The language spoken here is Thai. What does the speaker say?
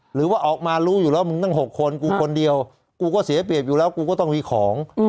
หรือว่าออกมารู้อยู่แล้วมึงตั้ง๖คนกูคนเดียวกูก็เสียเปรียบอยู่แล้วกูก็ต้องมีของ